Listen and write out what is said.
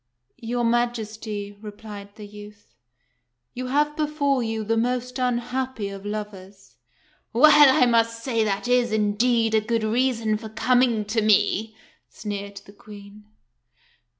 "Your Majesty," replied the youth, "you have before you the most unhappy of lovers." "Well, I must say that is, indeed, a good reason for com ing to me," sneered the Queen.